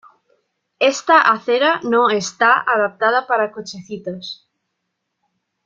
Esta acera no está adaptada para cochecitos.